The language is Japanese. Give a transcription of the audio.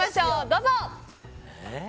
どうぞ。